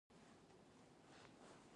هلته به نڅا او موسیقي غږول کېده.